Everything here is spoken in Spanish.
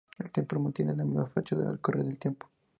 El templo mantiene la misma fachada con el correr del tiempo.